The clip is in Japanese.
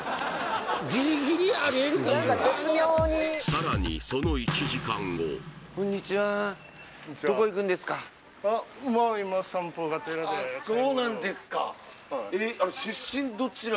さらにその１時間後あそうなんですか